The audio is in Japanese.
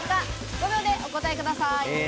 ５秒でお答えください。